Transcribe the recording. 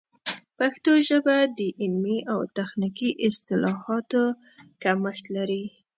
پښتو ژبه د علمي او تخنیکي اصطلاحاتو کمښت لري.